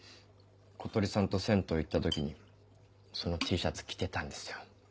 小鳥さんと銭湯行った時にそのＴシャツ着てたんですよ。